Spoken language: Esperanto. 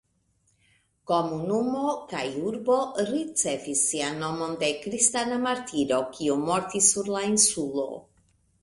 Komunumo kaj urbo ricevis sian nomon de kristana martiro, kiu mortis sur la insulo.